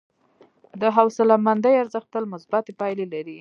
د حوصلهمندي ارزښت تل مثبتې پایلې لري.